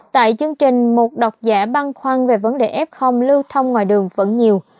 tại chương trình một đọc giả băn khoăn về vấn đề f lưu thông ngoài đường vẫn nhiều